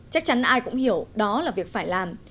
chắc chắn ai cũng hiểu đó là việc phải làm